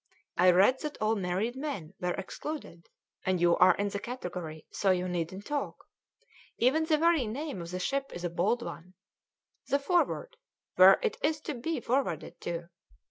I read that all married men were excluded, and you are in the category, so you needn't talk. Even the very name of the ship is a bold one. The Forward where is it to be forwarded to?